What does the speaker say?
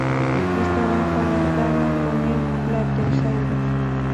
Estaba emparentado con el "Plateosaurus".